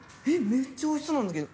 めっちゃおいしそうなんだけど。